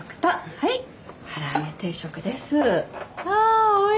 はい。